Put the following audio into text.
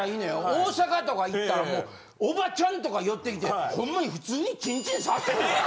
大阪とか行ったらもうおばちゃんとか寄ってきてホンマに普通にチンチン触ってくるから。